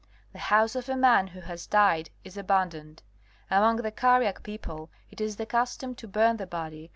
The house of a man who has died is abandoned. Among the Kariak people it is the custom to burn the body